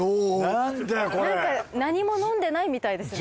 なんか何も飲んでないみたいですね。